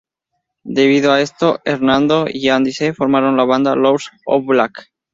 Debido a esto, Hernando y Andy C. formaron la banda Lords of Black.